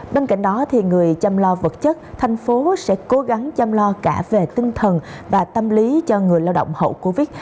bên cạnh đó người chăm lo vật chất thành phố sẽ cố gắng chăm lo cả về tinh thần và tâm lý cho người lao động hậu covid